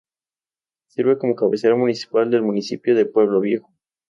Sirve como la cabecera municipal del municipio de Pueblo Viejo.